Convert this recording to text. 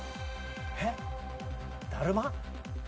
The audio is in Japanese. えっだるま？